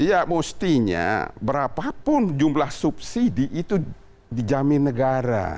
ya mestinya berapapun jumlah subsidi itu dijamin negara